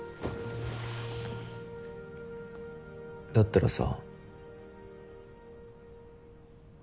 だったらさ。